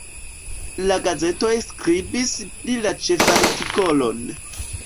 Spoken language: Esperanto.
La gazetoj skribis pli li ĉefartikolon.